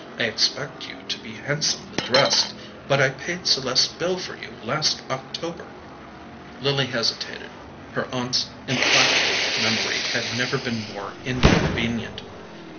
I expect you to be handsomely dressed; but I paid Celeste's bill for you last October." Lily hesitated: her aunt's implacable memory had never been more inconvenient.